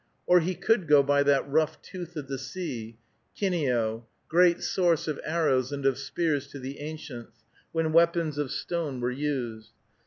Or he could go by "that rough tooth of the sea," Kineo, great source of arrows and of spears to the ancients, when weapons of stone were used.